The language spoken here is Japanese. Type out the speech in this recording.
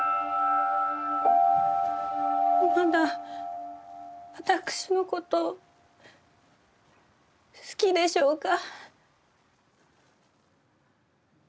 まだ私のことを好きでしょうか？